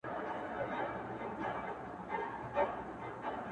د کور ټول غړي چوپ دي او وېره لري